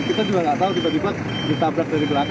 kita kalau nggak salah ada dua mobil di depan berhenti berhenti